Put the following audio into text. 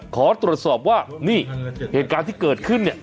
ขอตรวจสอบว่านี่เหตุการณ์ที่เกิดขึ้นเนี่ย